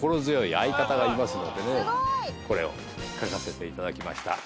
これを書かせて頂きました。